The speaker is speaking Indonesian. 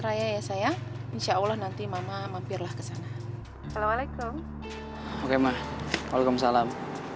raya ya saya insya allah nanti mama mampirlah kesana assalamualaikum oke mah kalau kamu salam